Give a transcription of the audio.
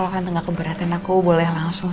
tante kalau nggak keberatan aku boleh langsung